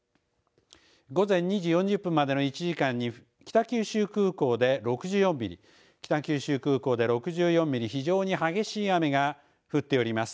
午前２時４０分までの１時間に北九州空港で６４ミリ北九州空港で６４ミリ非常に激しい雨が降っております。